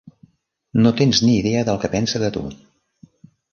No tens ni idea del que pensa de tu!